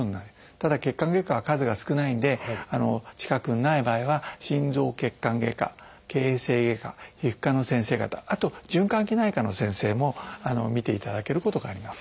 ただ血管外科は数が少ないんで近くにない場合は心臓血管外科形成外科皮膚科の先生方あと循環器内科の先生も診ていただけることがあります。